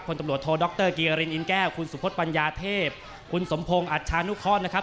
คนตำรวจโทรด๊อคเตอร์กิการินอินแก้วคุณสุพธปัญญาเทพคุณสมพงศ์อัชชานุคอนนะครับ